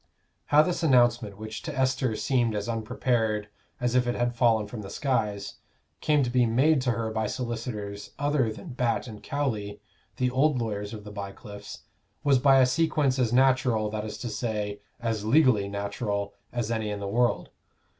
How this announcement, which to Esther seemed as unprepared as if it had fallen from the skies, came to be made to her by solicitors other than Batt & Cowley, the old lawyers of the Bycliffes, was by a sequence as natural, that is to say, as legally natural, as any in the world.